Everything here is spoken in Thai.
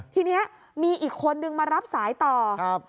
ทีนี้มีอีกคนนึงมารับสายต่อครับ